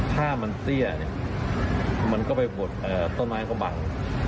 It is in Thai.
ถ้ามันเสี้ยมันก็ไปบดต้นไม้กำบัง